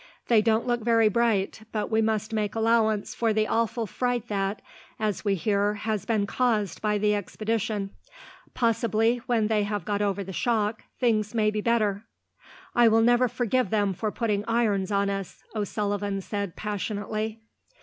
"They don't look very bright, but we must make allowance for the awful fright that, as we hear, has been caused by the expedition. Possibly, when they have got over the shock, things may be better." "I will never forgive them for putting irons on us," O'Sullivan said passionately.